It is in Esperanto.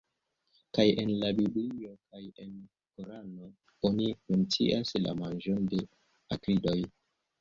Kaj en la Biblio kaj en Korano oni mencias la manĝon de akridoj.